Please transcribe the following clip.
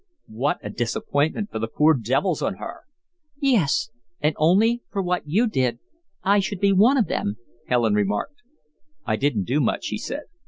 "What a disappointment for the poor devils on her!" "Yes, and only for what you did, I should be one of them," Helen remarked. "I didn't do much," he said.